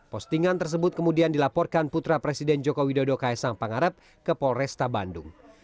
postingan tersebut kemudian dilaporkan putra presiden joko widodo kaisang pangarep ke polresta bandung